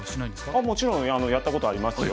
もちろんやったことありますよ。